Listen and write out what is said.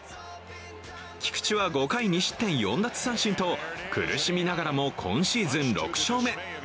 菊池は５回２失点４奪三振と苦しみながらも今シーズン６勝目。